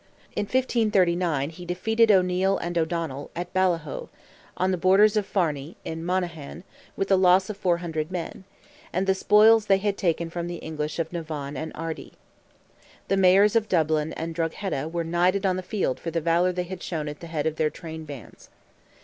In 1539, he defeated O'Neil and O'Donnell, at Bolahoe, on the borders of Farney, in Monaghan, with a loss of 400 men, and the spoils they had taken from the English of Navan and Ardee. The Mayors of Dublin and Drogheda were knighted on the field for the valour they had shown at the head of their train bands.